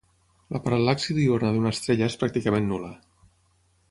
La paral·laxi diürna d'una estrella és pràcticament nul·la.